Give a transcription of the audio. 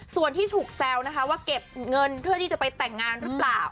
ส่วนที่ถูกแซวนะคะว่าเก็บเงินเพื่อที่จะไปแต่งงานหรือเปล่า